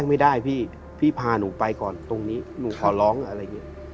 ไม่ได้พี่พี่พาหนูไปก่อนตรงนี้หนูขอร้องอะไรอย่างนี้